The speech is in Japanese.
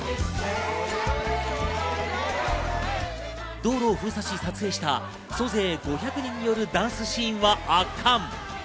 道路を封鎖し撮影した総勢５００人によるダンスシーンは圧巻。